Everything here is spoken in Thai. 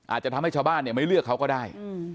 อาจจะทำให้ชาวบ้านไม่เลือกเขาก็ได้